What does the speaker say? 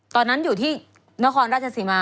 ตอนนั้นอยู่ที่นครราชสีมา